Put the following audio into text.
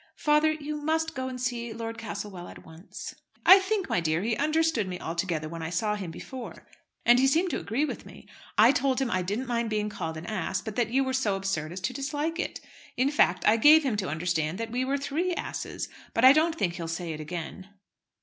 "Father, you must go and see Lord Castlewell at once." "I think, my dear, he understood me altogether when I saw him before, and he seemed to agree with me. I told him I didn't mind being called an ass, but that you were so absurd as to dislike it. In fact, I gave him to understand that we were three asses; but I don't think he'll say it again."